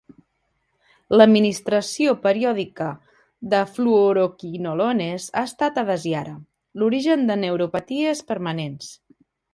L'administració periòdica de fluoroquinolones ha estat, adesiara, l'origen de neuropaties permanents.